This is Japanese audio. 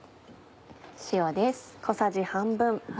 塩です。